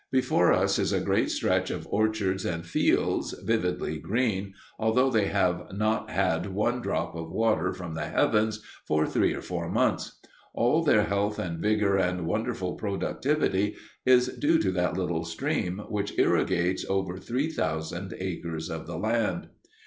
Before us is a great stretch of orchards and fields, vividly green, although they have not had one drop of water from the heavens for three or four months. All their health and vigor and wonderful productivity is due to that little stream, which irrigates over three thousand acres of the land.